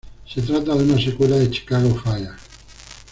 Se trata de una secuela de "Chicago Fire".